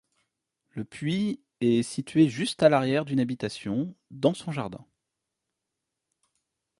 Le puits est situé juste à l'arrière d'une habitation, dans son jardin.